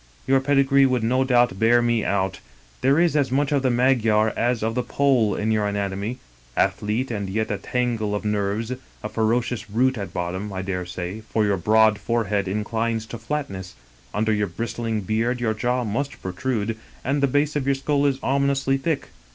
Your pedigree would no doubt bear me out: there is as much of the Magyar as of the Pole in your anatomy. Athlete, and yet a tangle of nerves; a ferocious brute at bottom, I dare say, for your broad forehead inclines to flatness; under your ' bristling beard your jaw must protrude, and the base of your skull is ominously thick.